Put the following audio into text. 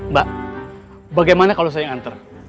mbak bagaimana kalau saya nganter